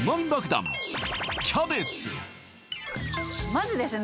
まずですね